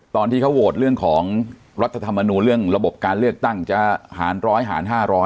ตอนที่เขาโหวตเรื่องของรัฐธรรมนูลเรื่องระบบการเลือกตั้งจะหาร๑๐๐หาร๕๐๐